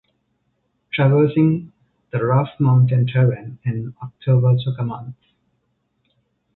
Traversing the rough mountain terrain in October took a month.